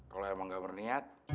kalo emang gak berniat